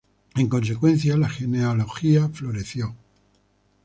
En consecuencia, la genealogía floreció.